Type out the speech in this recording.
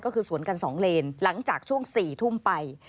ก็คือสวนกัน๒เลนหลังจากช่วง๔ทุ่มไป